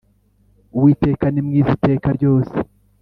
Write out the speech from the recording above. Uwiteka ni mwiza iteka ryose